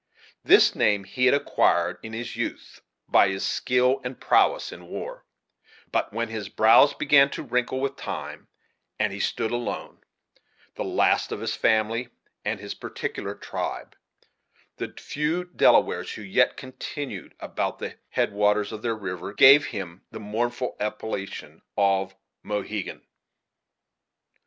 This name he had acquired in his youth, by his skill and prowess in war; but when his brows began to wrinkle with time, and he stood alone, the last of his family, and his particular tribe, the few Delawares, who yet continued about the head waters of their river, gave him the mournful appellation of Mohegan.